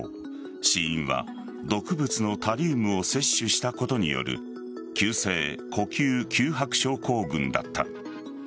死因は毒物のタリウムを摂取したことによる急性呼吸窮迫症候群だった。